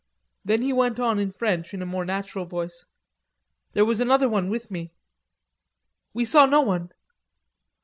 Then he went on in French in a more natural voice: "There was another one with me." "We saw no one.